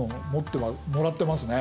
もらってますね。ね。